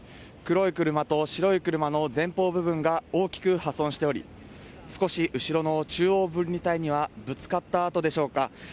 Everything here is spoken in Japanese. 黒い車と白い車の前方部分が大きく破損しており少し後ろの中央分離帯にはぶつかった跡でしょうか。